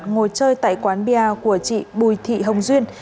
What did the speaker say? ngồi chơi tại quán bia của chị bùi thị hồng duyên